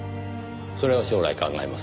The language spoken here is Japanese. それは将来考えます。